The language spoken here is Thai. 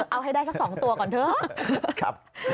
เอาให้ได้สัก๒ตัวก่อนเถอะ